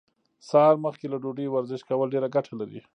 سهار مخکې له ډوډۍ ورزش کول ډيره ګټه لري.